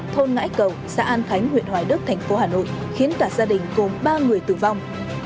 thôn ngãi cầu xã an khánh huyện hoài đức thành phố hà nội khiến cả gia đình gồm ba người tử vong